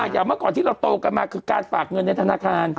อย่างเมื่อก่อนที่เราโตกันมาคือการฝากเงินในธนาคาร